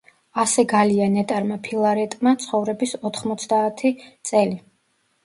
ასე გალია ნეტარმა ფილარეტმა ცხოვრების ოთხმოცდაათი წელი.